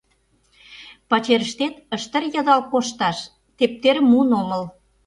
Пачерыштет ыштыр-йыдал кошташ тептерым муын омыл.